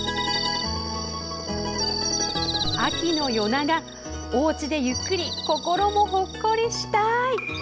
秋の夜長おうちでゆっくり心もほっこりしたい！